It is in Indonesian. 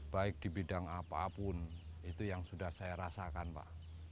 baik di bidang apapun itu yang sudah saya rasakan pak